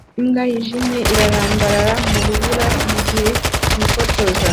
Imbwa yijimye irambaraye mu rubura mugihe yifotoza